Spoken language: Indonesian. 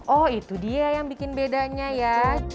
oh itu dia yang bikin bedanya ya